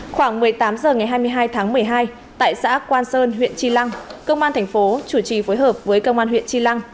khoảng một mươi tám h ngày hai mươi hai tháng một mươi hai tại xã quan sơn huyện tri lăng công an thành phố chủ trì phối hợp với công an huyện tri lăng